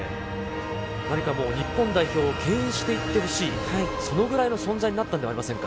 何かもう日本代表をけん引していってほしい、そのぐらいの存在になったのではありませんか。